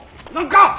何か！